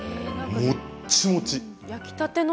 もっちもち。